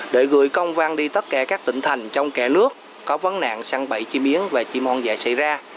để gửi công văn đi tất cả các tỉnh thành trong kẻ nước có vấn nạn săn bẫy chim yến và chim hôn dạy xảy ra